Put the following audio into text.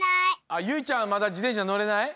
あっゆいちゃんはまだじてんしゃのれない？